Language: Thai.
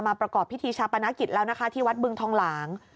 ประกอบพิธีชาปนกิจแล้วนะคะที่วัดบึงทองหลาง